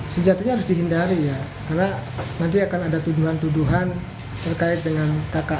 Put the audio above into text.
satya lancana karya bakti prajanuguraha